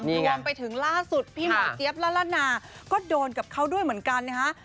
รวมไปถึงล่าสุดพี่หมอเจี๊ยบละละนาก็โดนกับเขาด้วยเหมือนกันนะฮะ